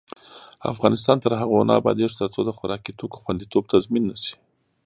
افغانستان تر هغو نه ابادیږي، ترڅو د خوراکي توکو خوندیتوب تضمین نشي.